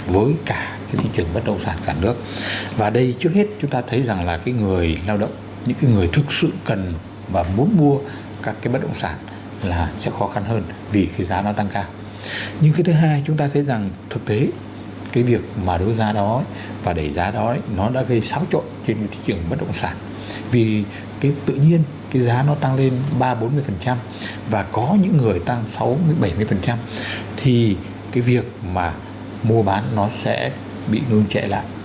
và vì thế cho nên là cái thị trường bất động sản nó mới tăng như vậy